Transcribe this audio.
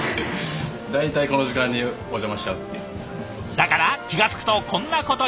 だから気が付くとこんなことに。